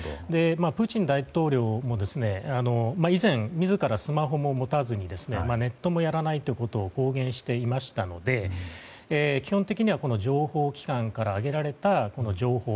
プーチン大統領も以前、自らスマホも持たずにネットもやらないということを公言していましたので基本的には情報機関から上げられた情報